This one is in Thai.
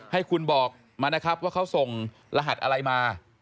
ให้คุณบอกมานะครับว่าเขาส่งรหัสอะไรมา